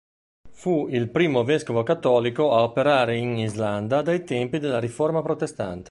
Fu il primo vescovo cattolico a operare in Islanda dai tempi della Riforma protestante.